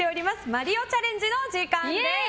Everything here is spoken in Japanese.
マリオチャレンジの時間です。